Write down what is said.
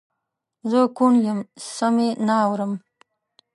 زه کوڼ یم سم یې نه اورم